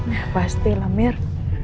ya pastilah mir